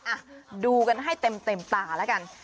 อ่ะดูกันให้เต็มตาแล้วกัน